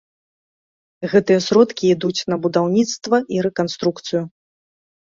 Гэтыя сродкі ідуць на будаўніцтва і рэканструкцыю.